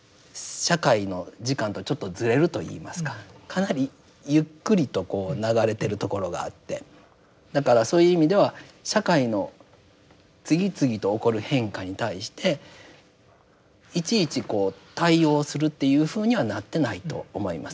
社会の時間とちょっとずれるといいますかかなりゆっくりとこう流れているところがあってだからそういう意味では社会の次々と起こる変化に対していちいちこう対応するっていうふうにはなってないと思います。